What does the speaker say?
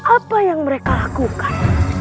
apa yang mereka lakukan